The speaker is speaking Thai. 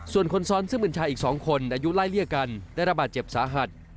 ส่วนคนซ้อนซึ่งเป็นชายอีก๒คนอายุไล่เลี่ยกันได้ระบาดเจ็บสาหัส